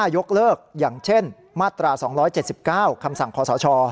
ยกเลิกอย่างเช่นมาตรา๒๗๙คำสั่งขอสช